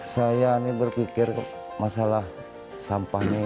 saya ini berpikir masalah sampah ini